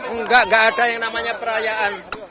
enggak enggak ada yang namanya perayaan